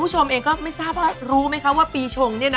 คุณผู้ชมเองก็ไม่ทราบว่ารู้ไหมคะว่าปีชงเนี่ยนะ